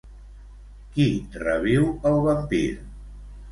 Qui reviu el vampir?